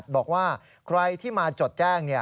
บอกว่าใครที่มาจดแจ้ง